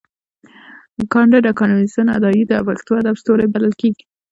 کانديد اکاډميسن عطايي د پښتو ادب ستوری بلل کېږي.